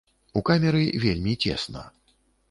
У камеры вельмі цесна.